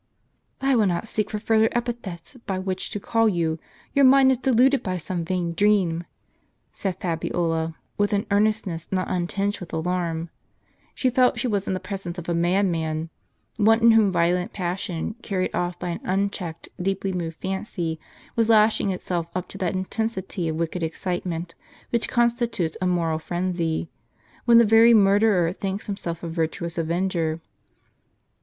"I will not seek for further epithets by which to call you; your mind is deluded by some vain dream," said Fabiola, with an earnestness not untinged with alarm. She felt she was in the presence of a madman, one in whom violent passion, car ried off by an unchecked, deeply moved fancy, was lashing itself up to that intensity of wicked excitement, which con stitutes a moral frenzy, — when the very murderer thinks himself a virtuous avenger.